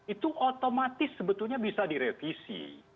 itu otomatis sebetulnya bisa direvisi